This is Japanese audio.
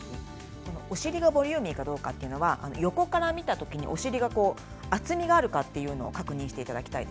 お尻がボリューミーかどうかというのは横から見た時にお尻の厚みがあるかどうかを確認してください。